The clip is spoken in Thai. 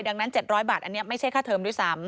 ดังนั้น๗๐๐บาทอันนี้ไม่ใช่ค่าเทอมด้วยซ้ำ